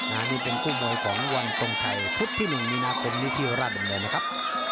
อันนี้เป็นคู่มวยของวันทรงชัยพุธที่๑มีนาคมนี้ที่ราชดำเนินนะครับ